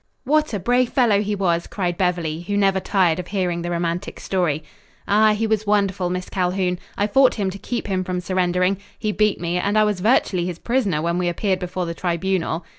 "What a brave fellow he was!" cried Beverly, who never tired of hearing the romantic story. "Ah, he was wonderful, Miss Calhoun. I fought him to keep him from surrendering. He beat me, and I was virtually his prisoner when we appeared before the tribunal."